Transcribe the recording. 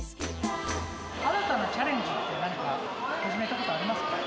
新たなチャレンジって、何か始めたことありますか？